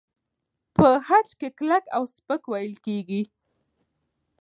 په خج کې کلک او سپک وېل کېږي.